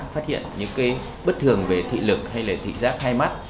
phát hiện những bất thường về thị lực hay thị giác hai mắt